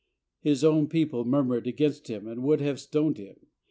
His own peo ple murmured against him and would have stoned him..